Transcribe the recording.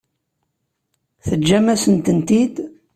Teǧǧam-asent-tent-id?